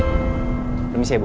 permisi ya bu